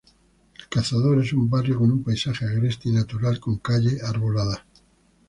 El Cazador es un barrio con un paisaje agreste y natural, con calles arboladas.